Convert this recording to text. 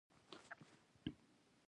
یوه ښځه په چای جوشولو بوخته وه.